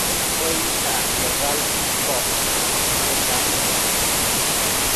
Fue hija de Ralph Boggs y Meta Long.